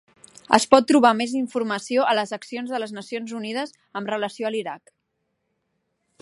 Es pot trobar mes informació a les accions de les Nacions Unides amb relació a l'Iraq.